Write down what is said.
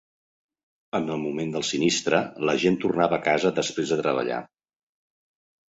En el moment del sinistre, l’agent tornava a casa després de treballar.